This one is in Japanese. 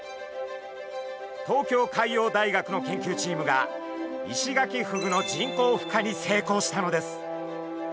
東京海洋大学の研究チームがイシガキフグの人工ふ化に成功したのです。